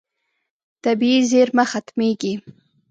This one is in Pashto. طبیعي زیرمه ختمېږي.